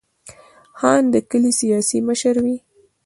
خان د کلي سیاسي مشر وي.